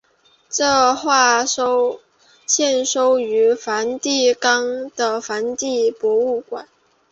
该画现收藏于梵蒂冈的梵蒂冈博物馆。